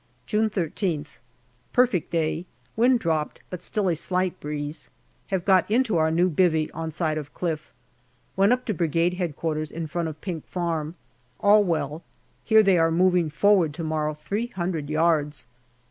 June 13th. Perfect day ; wind dropped, but still a slight breeze. Have got into our new " bivvy " on side of cliff. Went up to Brigade H.Q. in front of Pink Farm. All well. Hear they are moving forward to morrow three hundred yards.